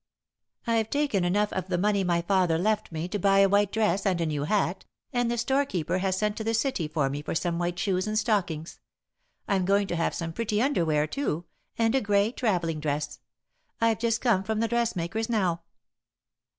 I've taken enough of the money my father left me to buy a white dress and a new hat, and the storekeeper has sent to the City for me for some white shoes and stockings. I'm going to have some pretty underwear, too, and a grey travelling dress. I've just come from the dressmakers, now."